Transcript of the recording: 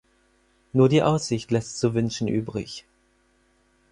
Nur die Aussicht lässt zu wünschen übrig.